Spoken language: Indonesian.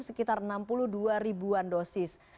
sekitar enam puluh dua ribuan dosis